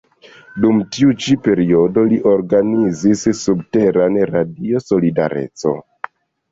Dum tiu ĉi periodo li organizis subteran Radio Solidareco.